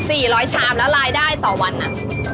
ร้อยชามแล้วรายได้ต่อวันอ่ะ